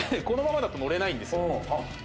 このままだと乗れないんですよ。